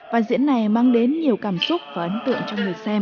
và diễn này mang đến nhiều cảm xúc và ấn tượng cho người xem